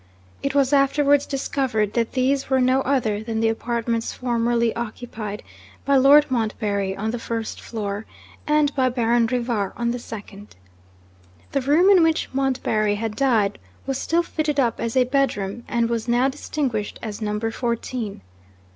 It was afterwards discovered that these were no other than the apartments formerly occupied by Lord Montbarry (on the first floor), and by Baron Rivar (on the second). The room in which Montbarry had died was still fitted up as a bedroom, and was now distinguished as Number Fourteen.